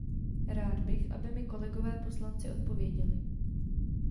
Rád bych, aby mi kolegové poslanci odpověděli.